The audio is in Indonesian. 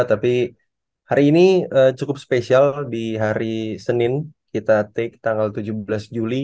tapi hari ini cukup spesial di hari senin kita take tanggal tujuh belas juli